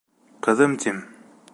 Ҡыҙым, тим...